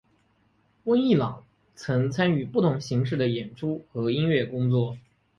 温逸朗曾参与不同形式的演出和音乐工作。